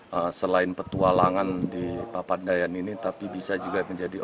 nah selain petualangan di papandayan ini tapi bisa juga menjadi